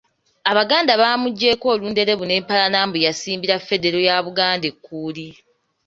Abaganda bamuggyeko olunderebu n’empalana mbu y'asiimbira Federo ya Buganda ekkuuli.